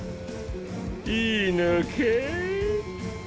いいのかぁ？